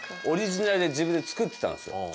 オリジナルで自分で作ってたんすよ。